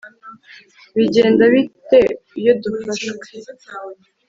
bigenda bite iyo dufashwe